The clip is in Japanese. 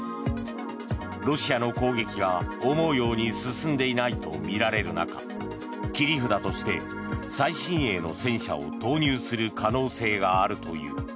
ロシアの攻撃が思うように進んでいないとみられる中切り札として、最新鋭の戦車を投入する可能性があるという。